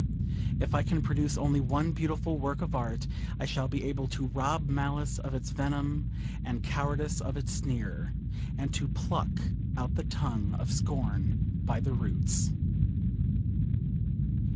If I can produce only one beautiful work of art I shall be able to rob malice of its venom, and cowardice of its sneer, and to pluck out the tongue of scorn by the roots.